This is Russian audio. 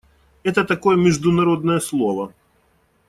Это такое международное слово.